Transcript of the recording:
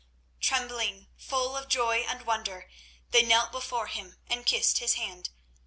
Trembling, full of joy and wonder, they knelt before him and kissed his hand.